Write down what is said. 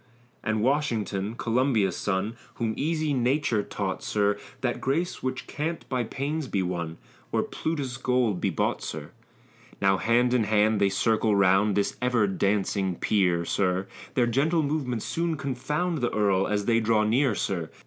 And Washington, Columbia's son, Whom easy nature taught, sir, That grace which can't by pains be won, Or Plutus's gold be bought, sir. Now hand in hand they circle round This ever dancing peer, sir; Their gentle movements soon confound The earl as they draw near, sir.